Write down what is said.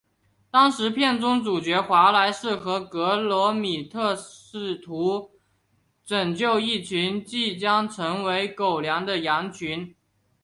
当时片中主角华莱士和格罗米特试图拯救一群即将成为狗粮的羊群。